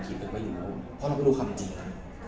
เพราะเราไม่รู้ว่าคำจริง